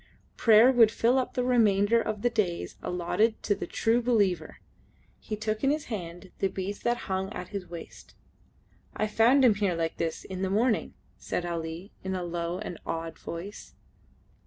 Prayer would fill up the remainder of the days allotted to the True Believer! He took in his hand the beads that hung at his waist. "I found him here, like this, in the morning," said Ali, in a low and awed voice.